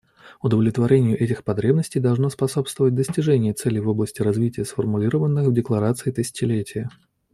Удовлетворению этих потребностей должно способствовать достижение целей в области развития, сформулированных в Декларации тысячелетия.